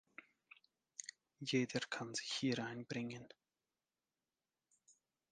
Jeder kann sich hier einbringen.